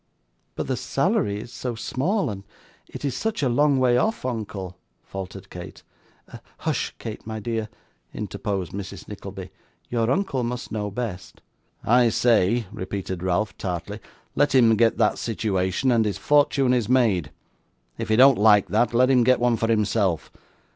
'But the salary is so small, and it is such a long way off, uncle!' faltered Kate. 'Hush, Kate my dear,' interposed Mrs. Nickleby; 'your uncle must know best.' 'I say,' repeated Ralph, tartly, 'let him get that situation, and his fortune is made. If he don't like that, let him get one for himself.